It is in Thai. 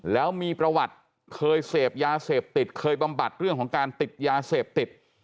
แล้วมีประวัติเคยเสพยาเสพติดเคยบำบัดเรื่องของการติดยาเสพติด